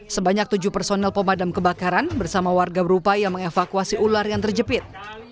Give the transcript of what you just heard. sebanyak tujuh personel pemadam kebakaran bersama warga berupaya mengevakuasi ular yang terjepit